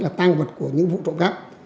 là tăng vật của những vụ trộm cấp